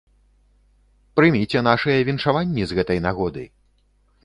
Прыміце нашыя віншаванні з гэтай нагоды!